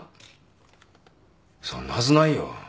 そんなはずないよ。